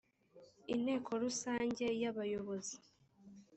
i nteko rusange yabayozi.